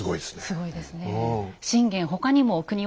すごいですね。